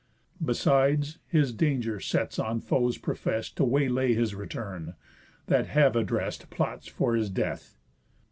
Besides, his danger sets on foes profess'd To way lay his return, that have address'd Plots for his death."